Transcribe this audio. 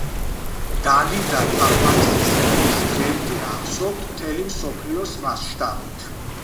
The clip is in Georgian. დალიდა თაყვანისმცემლებს დღემდე ახსოვთ მთელი მსოფლიოს მასშტაბით.